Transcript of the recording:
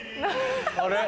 あれ？